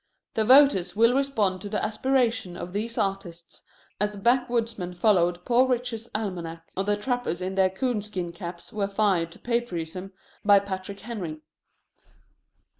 The voters will respond to the aspirations of these artists as the back woodsmen followed Poor Richard's Almanac, or the trappers in their coon skin caps were fired to patriotism by Patrick Henry.